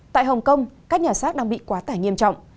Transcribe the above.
tại hồng kông các nhà xác đang bị quá tải nghiêm trọng